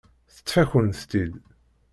Teṭṭef-akent-tt-id.